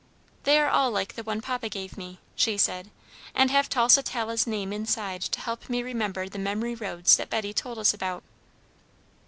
"They are all like the one papa gave me," she said, "and have Tusitala's name inside to help me remember the Memory roads that Betty told us about."